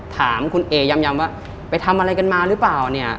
ถามคุณเอย้ำว่าไปทำอะไรกันมาหรือเปล่าเนี่ย